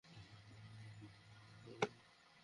তিনি আমাকে বাসায় পৌঁছে দেবেন?